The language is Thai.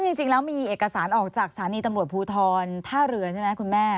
จริงแล้วมีเอกสารออกจากสถานีตำรวจภูทรท่าเรือใช่ไหมคุณแม่